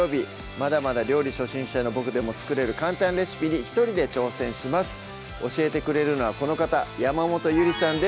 まだまだ料理初心者のボクでも作れる簡単レシピに一人で挑戦します教えてくれるのはこの方山本ゆりさんです